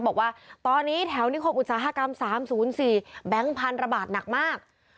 บอกว่าตอนนี้แถวนิคมอุตสาหกรรม๓๐๔แบงค์พันธุ์ระบาดหนักมาก